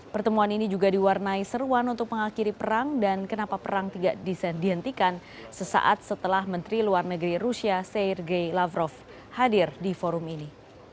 pertemuan ini juga diwarnai seruan untuk mengakhiri perang dan kenapa perang tidak dihentikan sesaat setelah menteri luar negeri rusia seirge lavrov hadir di forum ini